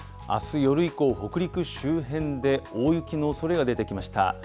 あす夜以降、北陸周辺で大雪のおそれが出てきました。